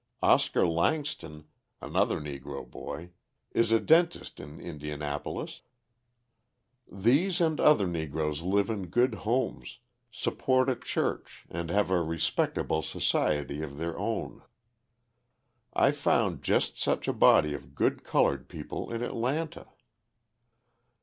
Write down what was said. Oscar Langston, another Negro boy, is a dentist in Indianapolis. These and other Negroes live in good homes, support a church and have a respectable society of their own. I found just such a body of good coloured people in Atlanta.